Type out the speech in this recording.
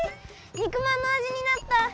肉まんのあじになった！